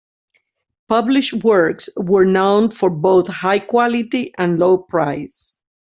Published works were known for both high quality and low price.